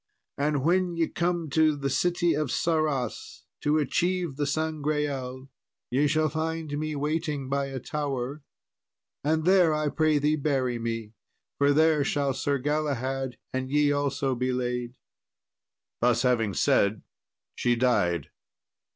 And when ye come to the city of Sarras, to achieve the Sangreal, shall ye find me waiting by a tower, and there I pray thee bury me, for there shall Sir Galahad and ye also be laid." Thus having said, she died.